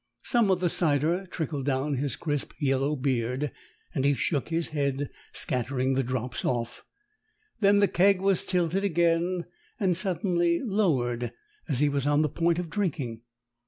Some of the cider trickled down his crisp yellow beard and he shook his head, scattering the drops off. Then the keg was tilted again, and suddenly lowered as he was on the point of drinking.